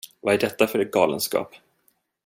Vad är detta för galenskap?